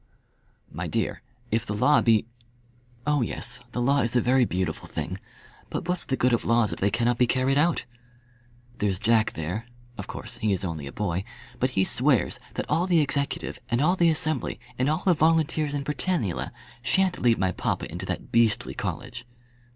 "My dear, if the law be " "Oh yes, the law is a very beautiful thing; but what's the good of laws if they cannot be carried out? There's Jack there; of course he is only a boy, but he swears that all the executive, and all the Assembly, and all the volunteers in Britannula, shan't lead my papa into that beastly college."